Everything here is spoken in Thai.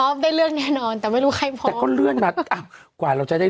เมื่อวานนี้เราไล่